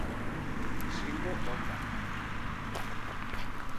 Shingo Honda